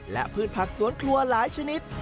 และพืชผักสวนครัวหลายชนิด